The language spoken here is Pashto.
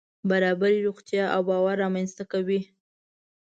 برابري روغتیا او باور رامنځته کوي.